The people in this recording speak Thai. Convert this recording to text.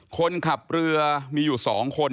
คนขับเรือมีอยู่๒คน